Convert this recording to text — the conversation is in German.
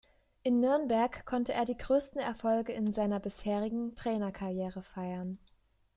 In Nürnberg konnte er die größten Erfolge in seiner bisherigen Trainerkarriere feiern.